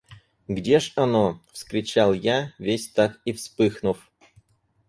– Где ж оно? – вскричал я, весь так и вспыхнув.